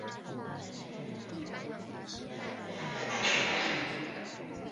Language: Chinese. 治所在汾阴县。